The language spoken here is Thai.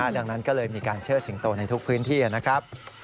ดังนั้นก็เลยมีการเชิดสิงโตในทุกพื้นที่นะครับ